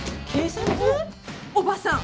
おばさん。